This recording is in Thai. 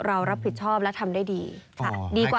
เรารับผิดชอบและทำได้ดี